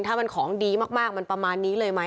ถ้ามันของดีมากมันประมาณนี้เลยไหม